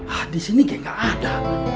hah disini kayak nggak ada